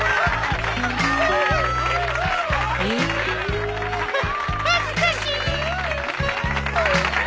えっ！？は恥ずかしい。